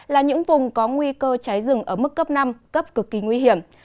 là những vùng có nguy cơ cháy rừng ở mức cấp năm cấp cực kỳ nguy hiểm